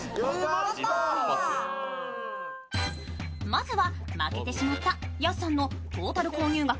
まずは、負けてしまった安さんのトータル購入額